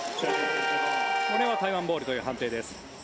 これは台湾ボールという判定です。